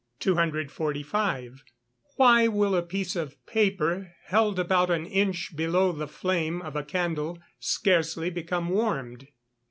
245. _Why will a piece of paper held about an inch below the flame of a candle scarcely become warmed?